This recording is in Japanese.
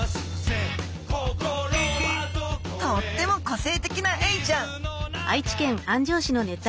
とっても個性的なエイちゃん！